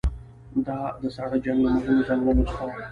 دا د ساړه جنګ له مهمو ځانګړنو څخه وه.